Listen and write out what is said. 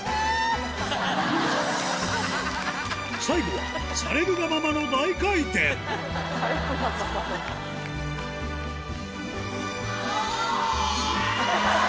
最後はされるがままの大回転あぁ！